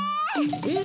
えっ？